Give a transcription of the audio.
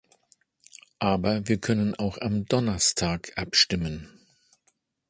Aber wir können auch am Donnerstag abstimmen.